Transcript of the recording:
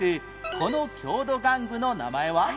この郷土玩具の名前は？